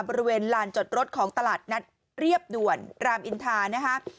บริเวณลานจอดรถของตลาดนัดเรียบด่วนรามอินทานะฮะ